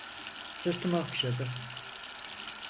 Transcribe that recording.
Sırtımı okşadı.